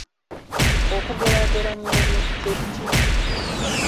Okugeraageranya ebintu kye ki?